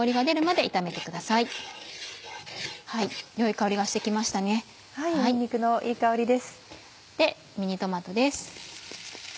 でミニトマトです。